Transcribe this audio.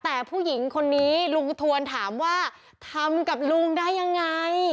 แต่ผู้หญิงคนนี้ลุงทวนถามว่าทำกับลุงได้ยังไง